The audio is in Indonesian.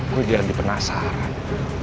gua jadi penasaran